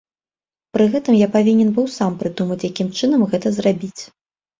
Пры гэтым я павінен быў сам прыдумаць, якім чынам гэта зрабіць.